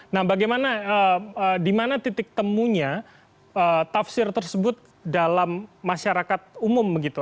nah bagaimana di mana titik temunya tafsir tersebut dalam masyarakat umum begitu